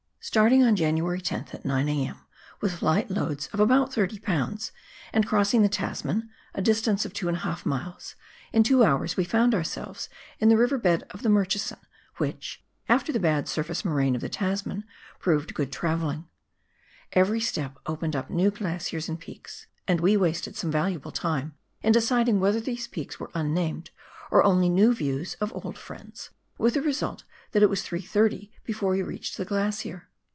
Starting on January 10th at 9 a.m. with light loads of about 30 lbs. and crossing the Tasman (a distance of 2^ miles), in two hours we found ourselves in the river bed of the Mur chison, which, after the bad surface moraine of the Tasman, proved good travelling. Every step opened up new glaciers and peaks, and we wasted some valuable time in deciding whether these peaks were unnamed or only new views of old friends, with the result that it was 3 "30 before we reached the glacier.